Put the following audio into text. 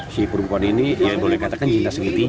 si perempuan ini ya boleh katakan cinta segiti